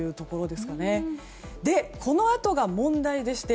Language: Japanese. で、このあとが問題でして。